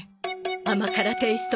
甘辛テイスト